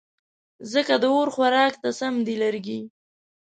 ځکه د اور خوراک ته سم دي لرګې